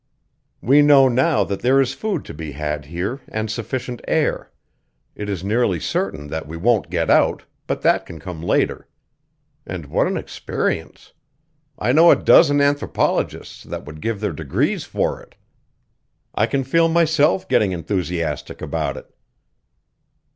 "We know now that there is food to be had here and sufficient air. It is nearly certain that we won't get out, but that can come later. And what an experience! I know a dozen anthropologists that would give their degrees for it. I can feel myself getting enthusiastic about it."